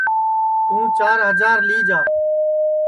توں چِار ہجار لی جا